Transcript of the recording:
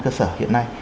cơ sở hiện nay